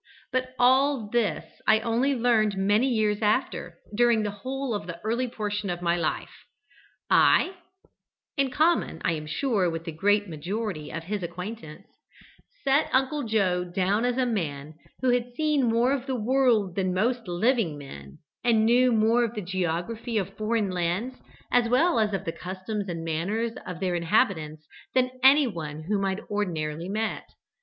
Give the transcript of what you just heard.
But all this I only learned many years after, and during the whole of the early portion of my life, I (in common, I am sure, with the great majority of his acquaintance) set Uncle Joe down as a man who had seen more of the world than most living men, and knew more of the geography of foreign lands, as well as of the customs and manners of their inhabitants, than anyone whom I ordinarily met.